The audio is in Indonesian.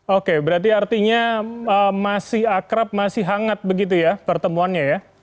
oke berarti artinya masih akrab masih hangat begitu ya pertemuannya ya